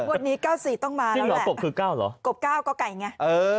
วันนี้ก้าวสี่ต้องมาแล้วแหละซึ่งหรอกบคือก้าวเหรอกบก้าวก็ไก่ไง